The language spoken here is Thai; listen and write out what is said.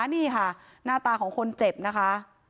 นี่ค่ะหน้าตาของคนเจ็บนะคะ